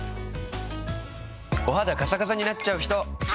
お肌カサカサになっちゃう人？